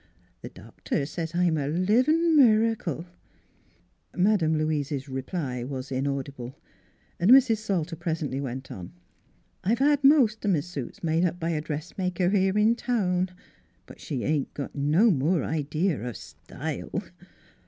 The doctor says I'm a livin' miracle." Madame Louise's reply was inaudible. And Mrs. Saltef presently went on :" I've had most o' m' suits made up by a dress maker here in town. But she hain't no more idee o' style!